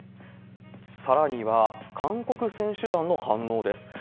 さらには、韓国選手団の反応です。